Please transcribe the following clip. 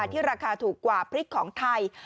ที่ราคาถูกกว่าพริกของไทย